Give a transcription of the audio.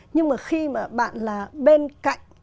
nhưng mà khi mà bạn là bên cạnh